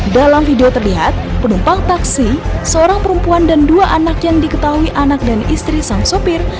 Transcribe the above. dalam video terlihat penumpang taksi seorang perempuan dan dua anak yang diketahui anak dan istri sang sopir